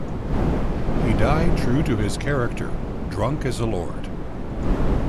He died true to his character: drunk as a lord.